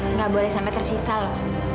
nggak boleh sampai tersisa loh